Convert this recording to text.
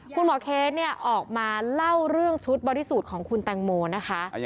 คุณหมอเคชออกมาเล่าเรื่องชุดบอดี้สูตรของคุณแตงโมนะคะ